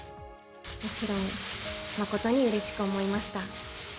もちろん、誠にうれしく思いました。